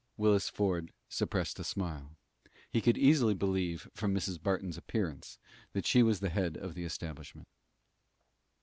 Willis Ford suppressed a smile. He could easily believe from Mrs. Barton's appearance that she was the head of the establishment.